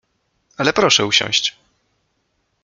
Ale proszę usiąść.